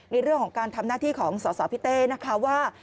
ในเรื่องของการทำหน้าที่ของสสพี่เต้นะคะว่า